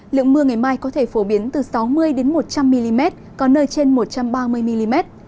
lượng mưa ngày mai có thể phổ biến từ sáu mươi một trăm linh mm có nơi trên một trăm ba mươi mm